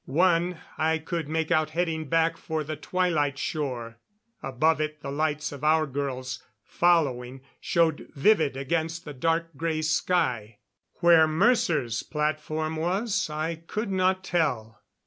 One I could make out heading back for the Twilight shore; above it the lights of our girls following showed vivid against the dark gray sky. Where Mercer's platform was I could not tell.